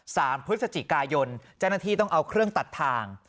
สามพฤศจิกายนเจ้าหน้าที่ต้องเอาเครื่องตัดทาง